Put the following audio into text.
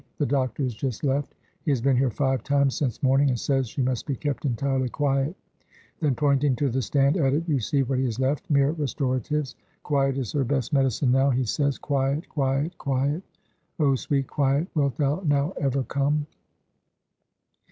The doctor has just left he has been here five times since morning and says she must be kept entirely quiet." Then pointing to the stand, added, "You see what he has left mere restoratives. Quiet is her best medicine now, he says. Quiet, quiet, quiet! Oh, sweet quiet, wilt thou now ever come?"